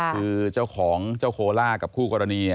คือเจ้าของเจ้าโคล่ากับคู่กรณี